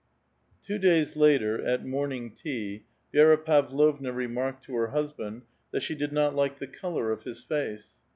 Tiro days later at morning tea, Vi6ra Pavlovna remarked *o her husband that slie did not like the color of his face.